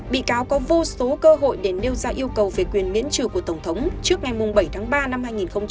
bị cáo có vô số cơ hội để nêu ra yêu cầu về quyền miễn trừ của tổng thống trước ngày bảy ba hai nghìn hai mươi bốn